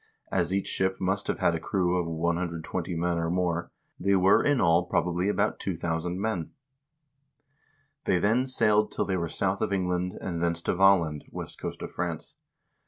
As each ship must have had a crew of 120 men or more, they were in all probably about 2000 men. "They then sailed till they were south of England, and thence to Valland (west coast of France).